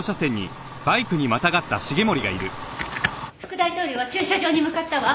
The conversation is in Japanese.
副大統領は駐車場に向かったわ。